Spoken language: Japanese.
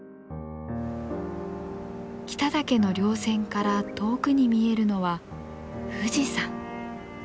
北岳の稜線から遠くに見えるのは富士山。